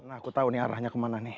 aku tau nih arahnya kemana nih